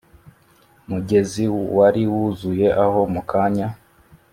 mugezi wari wuzuye aho mukanya